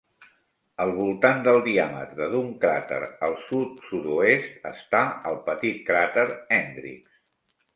Al voltant del diàmetre d'un cràter al sud-sud-oest està el petit cràter Hendrix.